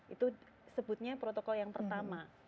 itu sebutnya protokol yang pertama